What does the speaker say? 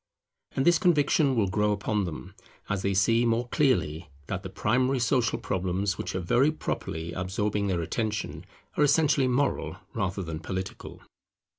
And this conviction will grow upon them, as they see more clearly that the primary social problems which are very properly absorbing their attention are essentially moral rather than political.